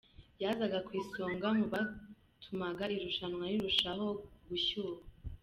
Yazaga ku isonga mu batumaga irushanwa rirushaho gushyuha.